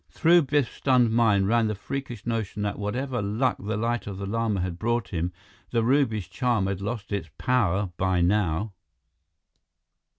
Through Biff's stunned mind ran the freakish notion that whatever luck the Light of the Lama had brought him, the ruby's charm had lost its power by now.